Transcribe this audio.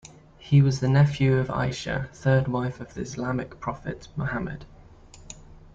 He was the nephew of Aisha, third wife of the Islamic prophet, Muhammad.